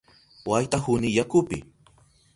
Waytahuni yakupi.